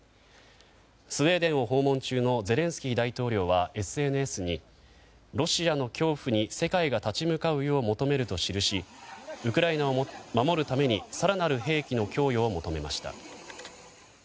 スウェーデンを訪問中のゼレンスキー大統領はＳＮＳにロシアの恐怖に、世界が立ち向かうよう求めると記しウクライナを守るために更なる兵器の供与を求めました。